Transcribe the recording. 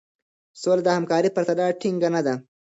سوله د همکارۍ پرته ټينګه نه ده.